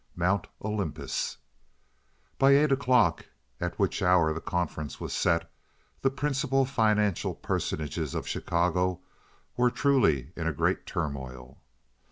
Mount Olympus By eight o'clock, at which hour the conference was set, the principal financial personages of Chicago were truly in a great turmoil.